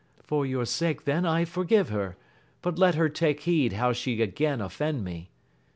For your sake then I forgive her, but let her take heed how she again offend me.